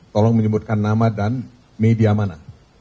tolong menyebutkan nama dan media mana